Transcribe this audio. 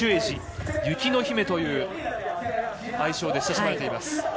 雪の姫という愛称で親しまれています。